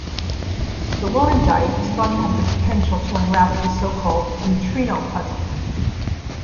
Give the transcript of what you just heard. The lorandite is thought to have the potential to unravel the so-called "neutrino puzzle".